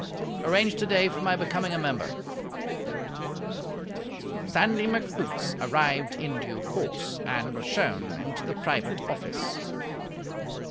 "Arrange today for my becoming a member." Sandy McHoots arrived in due course, and was shown into the private office.